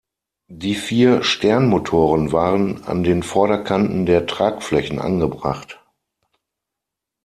Die vier Sternmotoren waren an den Vorderkanten der Tragflächen angebracht.